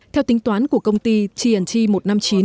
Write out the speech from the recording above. theo tính toán của công ty tnt một trăm năm mươi chín